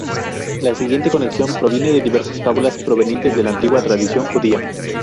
La siguiente conexión proviene de diversas fábulas provenientes de la antigua tradición judía.